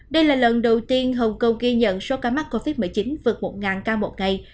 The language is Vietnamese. đây là lần đầu tiên hồng kông ghi nhận số ca mắc covid một mươi chín vượt một ca một ngày